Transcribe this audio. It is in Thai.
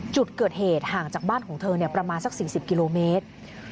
จุดเกิดเหตุห่างจากบ้านของเธอประมาณสัก๔๐กิโลเมตร